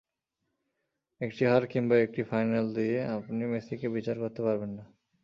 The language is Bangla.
একটি হার কিংবা একটি ফাইনাল দিয়ে আপনি মেসিকে বিচার করতে পারবেন না।